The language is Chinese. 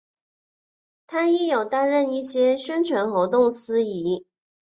她亦有担任一些宣传活动司仪。